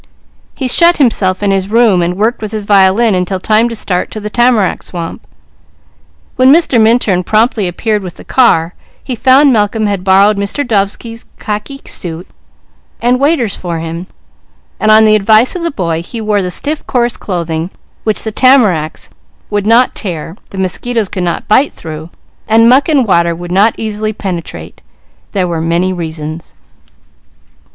He shut himself in his room and worked with his violin until time to start to the tamarack swamp. When Mr. Minturn promptly appeared with the car, he found Malcolm had borrowed Mr. Dovesky's khaki suit and waders for him, and on the advice of the boy he wore the stiff coarse clothing, which the tamaracks would not tear, the mosquitoes could not bite through, and muck and water would not easily penetrate there were many reasons.